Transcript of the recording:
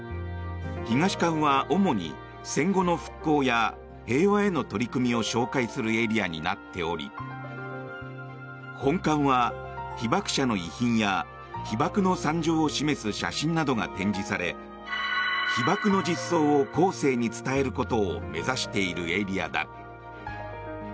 東館は主に戦後の復興や平和への取り組みを紹介するエリアになっており本館は被爆者の遺品や被爆の惨状を示す写真などが展示され被爆の実相を後世に伝えることを目指しているエリアだ。